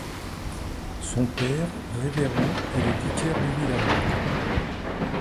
Son père, révérend, est le vicaire du village.